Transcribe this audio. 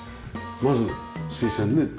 まず水栓ね。